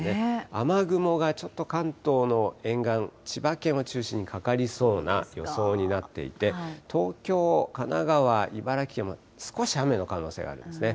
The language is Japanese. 雨雲がちょっと関東の沿岸、千葉県を中心にかかりそうな予想になっていて、東京、神奈川、茨城県も少し雨の可能性あるんですね。